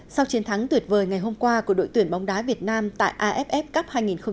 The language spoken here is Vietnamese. sau chiến thắng tuyệt vời ngày hôm qua của đội tuyển bóng đá việt nam tại aff cup hai nghìn một mươi chín